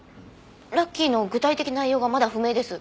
ラッキーの具体的内容がまだ不明です。